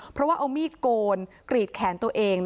เพราะว่าเอามีดโกนกรีดแขนตัวเอง